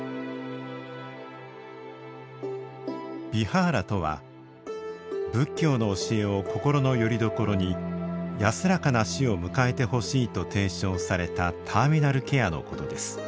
ビハーラとは仏教の教えを心のよりどころに安らかな死を迎えてほしいと提唱されたターミナルケアのことです。